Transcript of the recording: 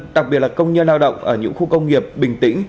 đặc biệt là công nhân lao động ở những khu công nghiệp bình tĩnh